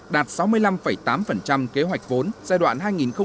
đạt sáu mươi năm tám kế hoạch vốn giai đoạn hai nghìn một mươi sáu hai nghìn hai mươi